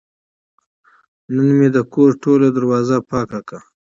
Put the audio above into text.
نن مې د کور ټوله دروازه پاکه کړه.